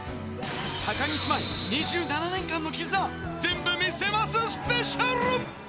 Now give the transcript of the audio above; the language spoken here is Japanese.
高木姉妹２７年間の絆、全部見せますスペシャル。